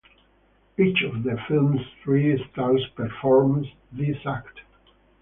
Each of the film's three stars performs this act.